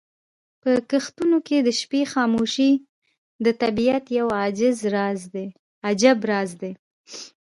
په کښتونو کې د شپې خاموشي د طبیعت یو عجیب راز لري.